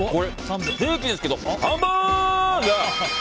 ステーキですけどハンバーグ！